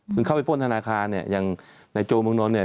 คุณเข้าไปป้นธนาคารเนี่ยอย่างในโจเมืองนนท์เนี่ย